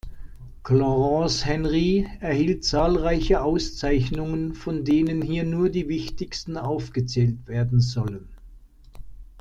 Clarence Henry erhielt zahlreiche Auszeichnungen, von denen hier nur die wichtigsten aufgezählt werden sollen.